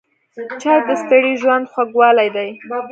چای د ستړي ژوند خوږوالی دی.